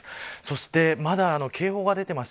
まだ警報が出ています。